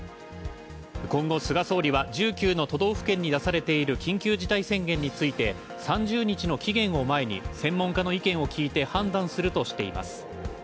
今後、菅総理は１９の都道府県に出されている緊急事態宣言について、３０日の期限を前に専門家の意見を聞いて判断するとしています。